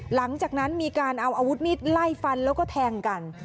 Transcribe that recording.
หลังจากนั้นมีการเอาอาวุธมีดไล่ฟันแล้วก็แทงกัน